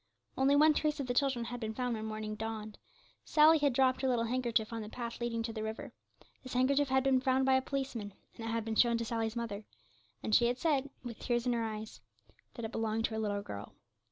Only one trace of the children had been found when morning dawned; Sally had dropped her little handkerchief on the path leading to the river; this handkerchief had been found by a policeman, and it had been shown to Sally's mother, and she had said, with tears in her eyes, that it belonged to her little girl.